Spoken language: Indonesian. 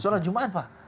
sholat jumat pak